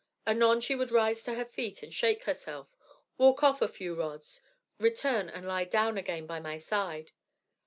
Anon she would rise to her feet and shake herself, walk off a few rods, return and lie down again by my side.